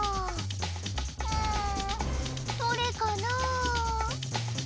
うん。どれかな？